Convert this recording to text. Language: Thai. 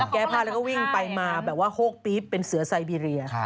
แก้ผ้าแล้วก็วิ่งไปมาแบบว่าโฮกปี๊บเป็นเสือไซบีเรีย